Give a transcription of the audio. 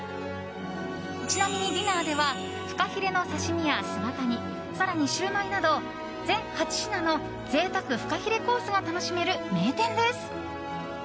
ちなみにディナーではフカヒレの刺し身や姿煮更にシューマイなど全８品の贅沢フカヒレコースが楽しめる名店です。